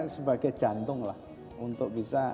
sebagai jantunglah untuk bisa